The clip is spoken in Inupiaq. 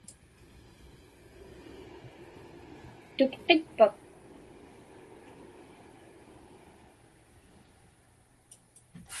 Tupqitpak?